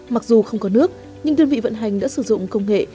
mặc dù không có nước nhưng đơn vị vận hành đã sử dụng công nghệ